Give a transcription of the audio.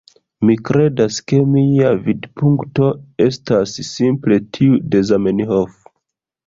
Mi kredas ke mia vidpunkto estas simple tiu de Zamenhof.